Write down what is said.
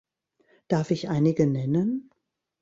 Darf ich einige nennen?